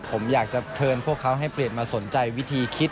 ผมอยากจะเชิญพวกเขาให้เปลี่ยนมาสนใจวิธีคิด